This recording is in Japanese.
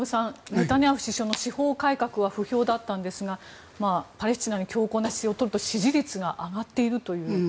ネタニヤフ首相の司法改革は不評だったんですがパレスチナに強硬な姿勢を取ると支持率が上がっているという。